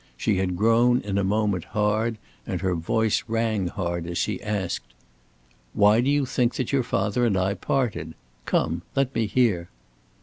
She had grown in a moment hard, and her voice rang hard as she asked: "Why do you think that your father and I parted? Come, let me hear!"